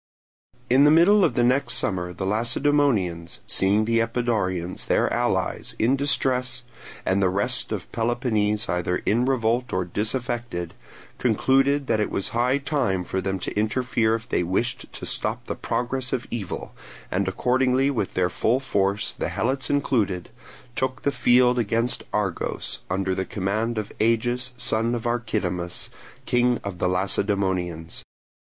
In the middle of the next summer the Lacedaemonians, seeing the Epidaurians, their allies, in distress, and the rest of Peloponnese either in revolt or disaffected, concluded that it was high time for them to interfere if they wished to stop the progress of the evil, and accordingly with their full force, the Helots included, took the field against Argos, under the command of Agis, son of Archidamus, king of the Lacedaemonians.